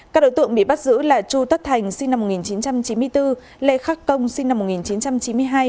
các đối tượng bị bắt giữ là chu tất thành sinh năm một nghìn chín trăm chín mươi bốn lê khắc công sinh năm một nghìn chín trăm chín mươi hai